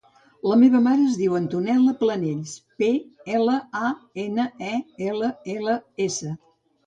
La meva mare es diu Antonella Planells: pe, ela, a, ena, e, ela, ela, essa.